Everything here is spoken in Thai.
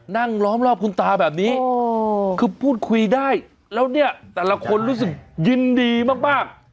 ล้อมรอบคุณตาแบบนี้คือพูดคุยได้แล้วเนี่ยแต่ละคนรู้สึกยินดีมาก